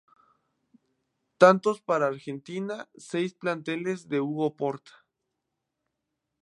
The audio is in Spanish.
Tantos para Argentina: Seis penales de Hugo Porta.